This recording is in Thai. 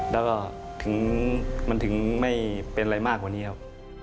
แล้วก็มันถึงไม่เป็นอะไรมากกว่านี้ครับ